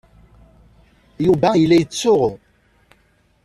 Yuba yella yettsuɣu.